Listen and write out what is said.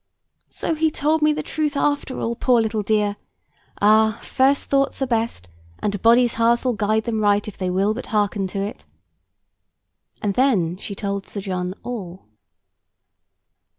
"So he told me the truth after all, poor little dear! Ah, first thoughts are best, and a body's heart'll guide them right, if they will but hearken to it." And then she told Sir John all.